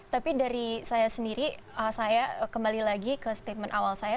tapi dari saya sendiri saya kembali lagi ke statement awal saya